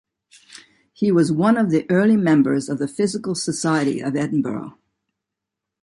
He was one of the early members of the Physical Society of Edinburgh.